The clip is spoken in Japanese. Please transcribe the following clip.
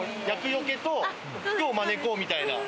厄よけと福を招こうみたいな。